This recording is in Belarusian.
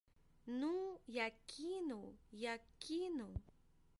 Ну як кінуў, як кінуў.